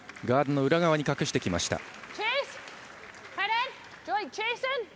ガードの裏側に隠してきました。